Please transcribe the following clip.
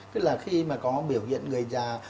tức là khi mà có biểu hiện người già